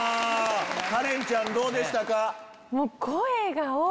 カレンちゃんどうでしたか？